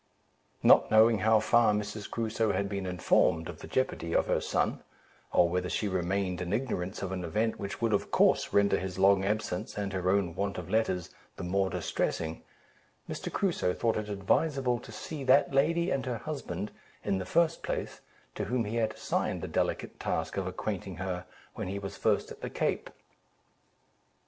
Not knowing how far Mrs. Crusoe had been informed of the jeopardy of her son, or whether she remained in ignorance of an event which would of course render his long absence and her own want of letters the more distressing, Mr. Crusoe thought it advisable to see that lady and her husband in the first place, to whom he had assigned the delicate task of acquainting her, when he was first at the Cape.